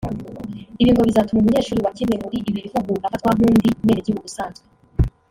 Ibi ngo bizatuma umunyeshuri wa kimwe muri ibi bihugu afatwa nk’undi mwenegihugu usanzwe